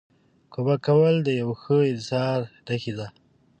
کمک کول د یوه ښه انسان نښه ده.